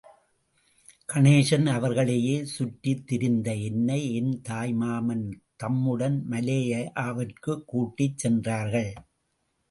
கணேசன் அவர்களையே சுற்றித் திரிந்த என்னை என் தாய் மாமன் தம்முடன் மலேயாவிற்குக் கூட்டிச் சென்றார்கள்.